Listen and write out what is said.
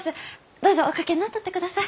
どうぞお掛けになっとってください。